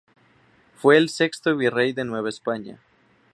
Fue el sexto virrey de Nueva España.